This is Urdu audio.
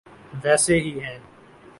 ویسی ہی ہیں۔